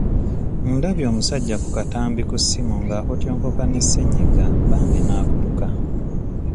Ndabye omusajja ku katambi ku ssimu ng'akotyontyoka ne sennyinga bambi n'akutuka.